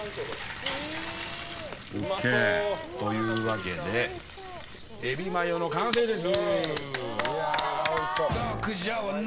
というわけでエビマヨの完成です。